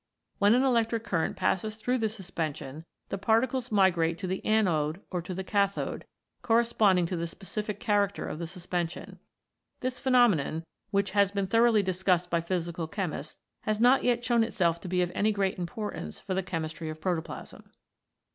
When an electric current passes through the suspension, the particles migrate to the anode or to the cathode, corresponding to the specific character of the suspension. This pheno menon, which has been thoroughly discussed by physical chemists, has not yet shown itself to be of any great importance for the chemistry of protoplasm.